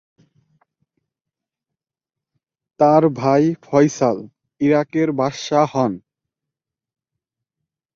তার ভাই ফয়সাল ইরাকের বাদশাহ হন।